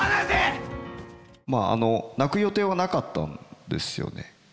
まああの泣く予定はなかったんですよね。